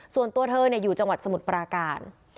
ส่วนตัวเธออยู่จังหวัดสมุทรปราการ